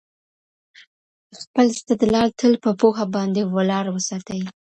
خپل استدلال تل په پوهه باندې ولاړ وساتئ.